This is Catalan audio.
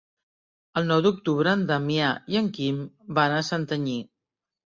El nou d'octubre en Damià i en Quim van a Santanyí.